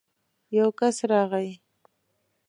يو کس راغی.